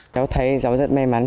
giáo thấy giáo rất may mắn